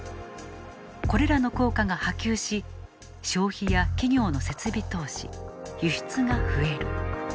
これらの効果が波及し消費や企業の設備投資輸出が増える。